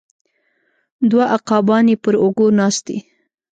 دوه عقابان یې پر اوږو ناست دي